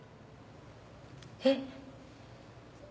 えっ。